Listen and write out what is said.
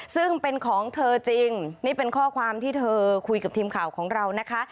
ซึ่งเป็นของเธอจริงนี่เป็นข้อความที่เธอคุยกับทีมข่าวของเรานะคะ